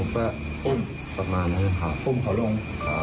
ปุ่มประมาณนั้นค่ะปุ่มเขาลง